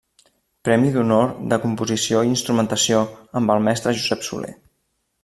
Premi d'Honor de composició i instrumentació amb el mestre Josep Soler.